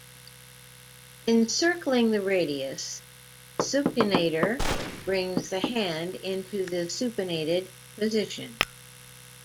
Encircling the radius, supinator brings the hand into the supinated position.